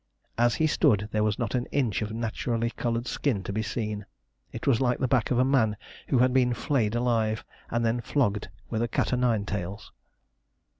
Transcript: As he stood, there was not an inch of naturally coloured skin to be seen. It was like the back of a man who had been flayed alive, and then flogged with a cat o' nine tails.